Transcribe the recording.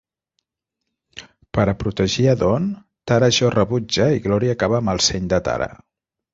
Per a protegir a Dawn, Tara jo rebutja i Glory acaba amb el seny de Tara.